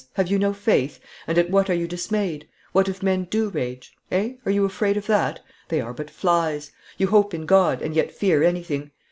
Have you no faith? And at what are you dismayed? What if men do rage? Eh? Are you afraid of that? They are but flies! You hope in God, and yet fear anything!